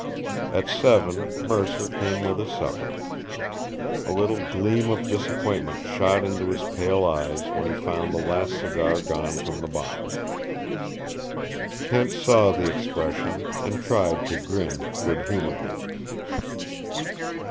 At seven Mercer came with his supper. A little gleam of disappointment shot into his pale eyes when he found the last cigar gone from the box. Kent saw the expression and tried to grin good humoredly.